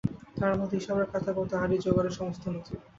তাহার মধ্যে হিসাবের খাতা এবং তাহারই জোগাড়ের সমস্ত নথি।